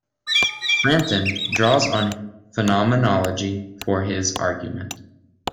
Frampton draws on phenomenology for his argument.